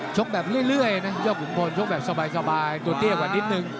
แบบเรื่อยนะยอดขุนพลชกแบบสบายตัวเตี้ยกว่านิดนึง